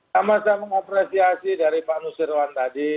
sama saya mengapresiasi dari pak nusirwan tadi